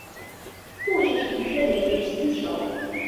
故事承接人猿星球。